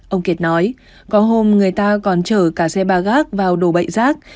ông kiệt nói có hôm người ta còn chở cả xe ba gác vào đổ bậy rác